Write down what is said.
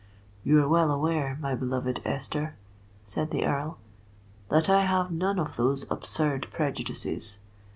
"You are well aware, my beloved Esther," said the Earl, "that I have none of those absurd prejudices.